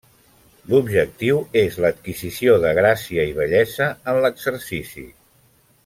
L'objectiu és l'adquisició de gràcia i bellesa en l'exercici.